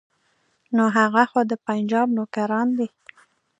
نو هغه خو د پنجاب نوکران دي.